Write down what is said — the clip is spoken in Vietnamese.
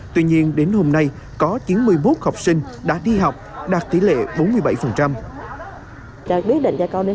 tuy nhiên đến hôm nay có chín mươi một học sinh đã đi học đạt tỷ lệ bốn mươi bảy